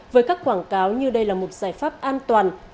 với các quảng cáo như đây là một giải pháp an toàn